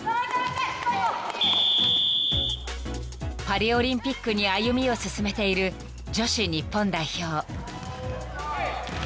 ［パリオリンピックに歩みを進めている女子日本代表］